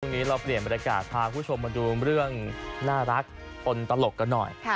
เราเปลี่ยนบรรยากาศพาคุณผู้ชมมาดูเรื่องน่ารักคนตลกกันหน่อย